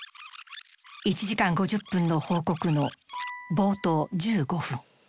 １時間５０分の報告の冒頭１５分。